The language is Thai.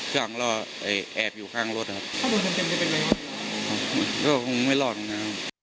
ค่ะ